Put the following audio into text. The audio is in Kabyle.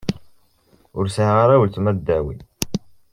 Ur sɛiɣ ara uletma ddaw-i.